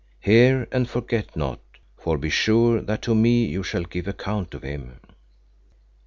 Hear and forget not, for be sure that to me you shall give account of him."